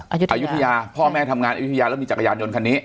อายุทยาพ่อแม่ทำงานอายุทยาแล้วมีจักรยานยนต์คันนี้